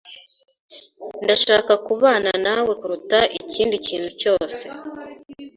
Ndashaka kubana nawe kuruta ikindi kintu cyose.